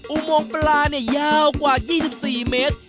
อุโมงปลาเนี่ยยาวกว่า๒๔เมตร